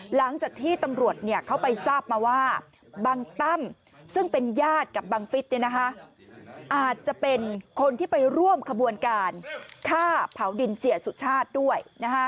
หลังจากที่ตำรวจเขาไปทราบมาว่าบังตั้มซึ่งเป็นญาติกับบังฟิศอาจจะเป็นคนที่ไปร่วมขบวนการฆ่าเผาดินเสียสุชาติด้วย